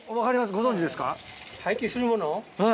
ご存じですか？